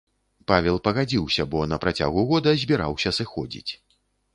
Павел пагадзіўся, бо на працягу года збіраўся сыходзіць.